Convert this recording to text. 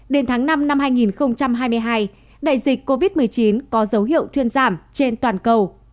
đến tháng năm năm hai nghìn hai mươi hai đại dịch covid một mươi chín có dấu hiệu thuyên giảm trên toàn cầu